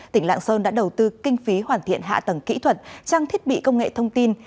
tỉnh lạng sơn đã đầu tư kinh phí hoàn thiện hạ tầng kỹ thuật trang thiết bị công nghệ thông tin